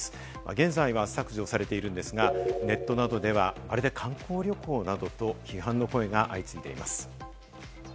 現在は削除されているんですが、ネットなどでは、まるで観光旅行などと批判の声が相次いでいます。